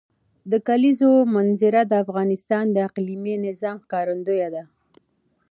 د کلیزو منظره د افغانستان د اقلیمي نظام ښکارندوی ده.